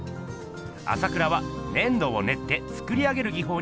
朝倉は粘土をねって作り上げる技法に魅せられます。